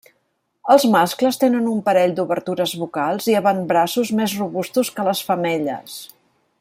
Els mascles tenen un parell d'obertures vocals i avantbraços més robustos que les femelles.